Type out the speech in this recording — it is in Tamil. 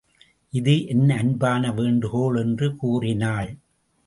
இது என் அன்பான வேண்டுகோள் என்று கூறினாள்.